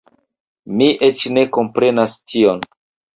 Mi eĉ ne komprenas tion